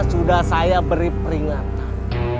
sudah saya beri peringatan